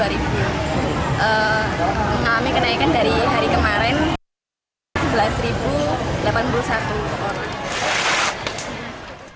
mengalami kenaikan dari hari kemarin sebelas delapan puluh satu orang